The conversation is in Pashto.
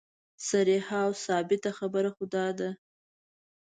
صریحه او ثابته خبره خو دا ده.